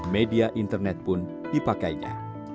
media internet pun dipakainya